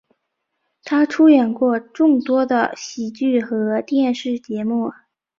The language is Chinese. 他出演过众多的喜剧和电视节目。